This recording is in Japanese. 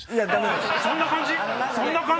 そんな感じ